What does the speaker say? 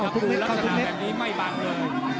ขาวทุกนิดแค่แบบนี้ไม่บังเลย